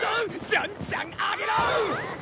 じゃんじゃん上げろ！